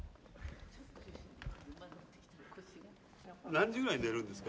何時ぐらいに寝るんですか？